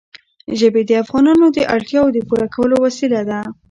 ژبې د افغانانو د اړتیاوو د پوره کولو وسیله ده.